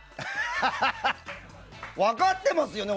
分かってますよね？